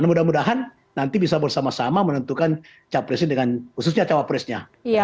mudah mudahan nanti bisa bersama sama menentukan capresnya dengan khususnya cawapresnya